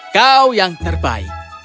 kau yang terbaik